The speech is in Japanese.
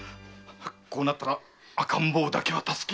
こうなったら赤ん坊だけは助けよう。